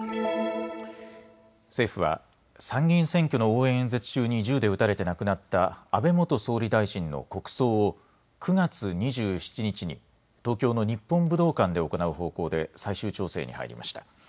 政府は参議院選挙の応援演説中に銃で撃たれて亡くなった安倍元総理大臣の国葬を９月２７日に東京の日本武道館で行う方向で最終調整に入りました。